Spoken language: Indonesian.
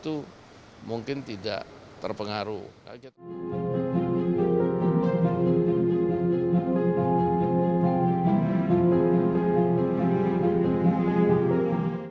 itu mungkin tidak terpengaruh